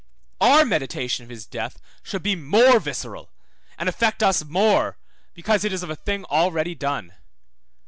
Our meditation of his death should be more visceral, and affect us more, because it is of a thing already done.